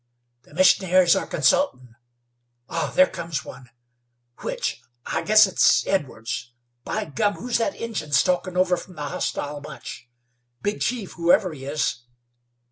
"The missionaries are consultin'. Ah! there comes one! Which? I guess it's Edwards. By gum! who's that Injun stalkin' over from the hostile bunch. Big chief, whoever he is.